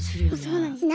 そうなんです。